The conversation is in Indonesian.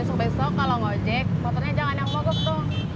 besok besok kalau gak ojek motornya jangan yang mogok dong